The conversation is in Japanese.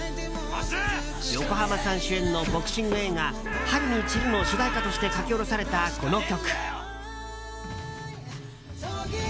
横浜さん主演のボクシング映画「春に散る」の主題歌として書き下ろされた、この曲。